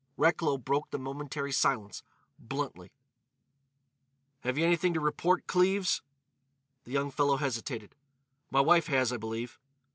Recklow broke the momentary silence, bluntly: "Have you anything to report, Cleves?" The young fellow hesitated: "My wife has, I believe."